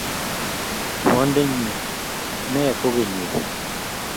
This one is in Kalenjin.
Bondenyu nee kokeny wee?